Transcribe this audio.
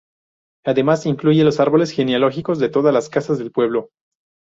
Además, incluye los árboles genealógicos de todas las casas del pueblo.